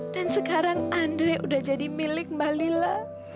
dan sekarang ndre udah jadi milik balila